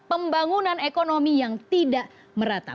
pembangunan ekonomi yang tidak merata